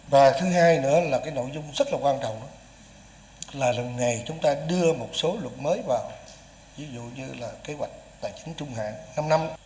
và thứ hai nữa là cái nội dung rất là quan trọng là lần này chúng ta đưa một số luật mới vào ví dụ như là kế hoạch tài chính trung hạn năm năm